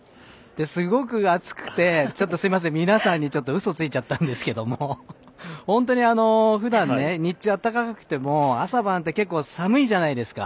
すごく暑くて皆さんにうそついちゃったんですけども本当にふだん、日中暖かくても朝晩って結構寒いじゃないですか。